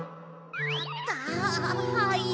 あったはい。